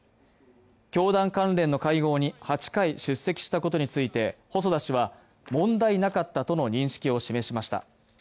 教団関連の会合に８回、出席したことについて細田氏は問題なかったとの認識を示しました。